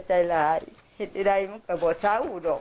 ฉันบ่อยยอมเห็นอย่างเชื้อก็บ่อยยอมเดิบ